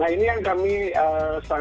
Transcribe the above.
nah ini yang saya ingin mengatakan